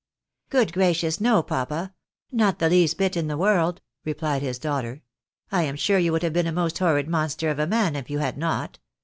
" Good gracious, no, papa ! ISTot the least bit in the world," replied his daughter. " I am sure you would have been a most horrid monster of a man if you had not.